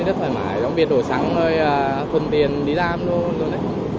rất thoải mái làm việc đủ sẵn thôi phân tiền đi làm luôn